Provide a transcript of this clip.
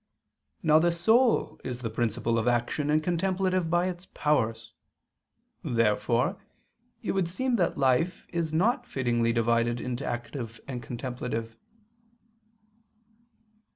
Now the soul is the principle of action and contemplation by its powers. Therefore it would seem that life is not fittingly divided into active and contemplative.